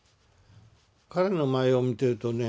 彼の舞を見てるとね